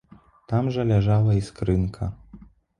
Там жа ляжала і скрынка.